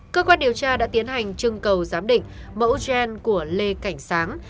cơ quan điều tra đã tiến hành trưng cầu giám định mẫu gen của lê cảnh sáng